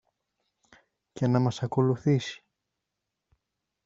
και να μας ακολουθήσει.